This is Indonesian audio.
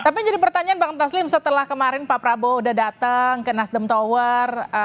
tapi jadi pertanyaan bang taslim setelah kemarin pak prabowo udah datang ke nasdem tower